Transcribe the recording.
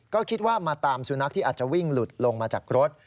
ก็คิดว่ามาตามสุนัขที่อาจจะวิ่งหลุดลงมาจากรถ